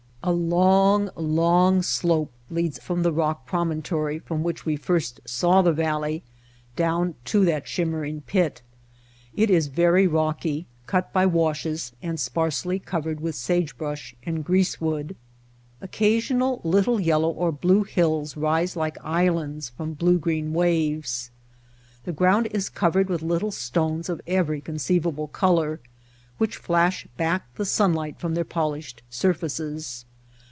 A long, long slope leads from the rock prom ontory from which we first saw the valley down to that shimmering pit. It is very rocky, cut by washes and sparsely covered with sagebrush and greasewood. Occasional little yellow or blue hills rise like islands from blue green waves. The ground is covered with little stones of every conceivable color, which flash back the sunlight from their polished surfaces.